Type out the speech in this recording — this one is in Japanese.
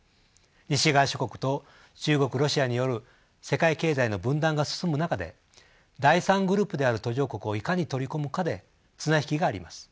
西側諸国と中国ロシアによる世界経済の分断が進む中で第３グループである途上国をいかに取り込むかで綱引きがあります。